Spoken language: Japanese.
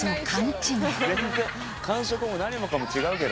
全然感触も何もかも違うけどね。